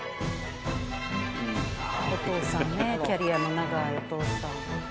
お父さんねキャリアの長いお父さん。